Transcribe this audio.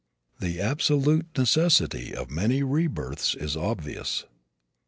The absolute necessity of many rebirths is obvious.